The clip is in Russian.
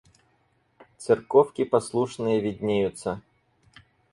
Церковки послушные виднеются.